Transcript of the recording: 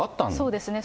そうですね。